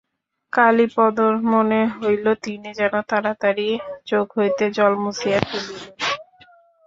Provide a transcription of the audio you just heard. কালীপদর মনে হইল, তিনি যেন তাড়াতাড়ি চোখ হইতে জল মুছিয়া ফেলিলেন।